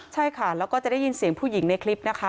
ใช่ค่ะแล้วก็จะได้ยินเสียงผู้หญิงในคลิปนะคะ